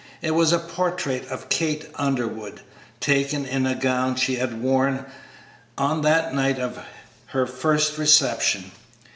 It was a portrait of Kate Underwood, taken in the gown she had worn on that night of her first reception.